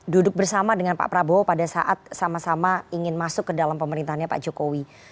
duduk bersama dengan pak prabowo pada saat sama sama ingin masuk ke dalam pemerintahnya pak jokowi